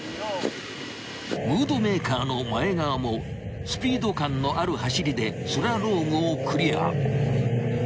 ［ムードメーカーの前川もスピード感のある走りでスラロームをクリア］